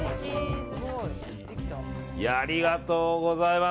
ありがとうございます。